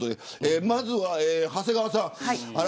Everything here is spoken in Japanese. まずは長谷川さん。